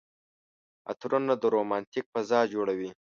عطرونه د رومانتيک فضا جوړوي.